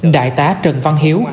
đại tá trần văn hiếu